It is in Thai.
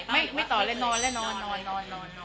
ไม่ไม่ต่อเลยนอนแล้วนอนนอนนอนนอน